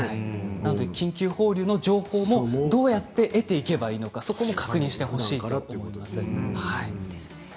緊急放流の情報もどうやって得ていけばいいのか確認してほしいと思います。